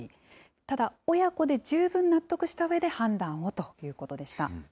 ただ、親子で十分納得したうえで判断をということでした。